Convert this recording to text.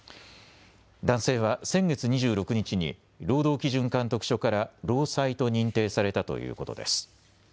男性は先月２６日に労働基準監督署から労災と認定されたということです。